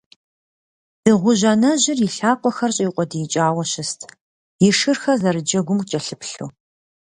Дыгъужь анэжьыр и лъакъуэхэр щӀиукъуэдиикӀауэ щыст, и шырхэр зэрыджэгум кӀэлъыплъу.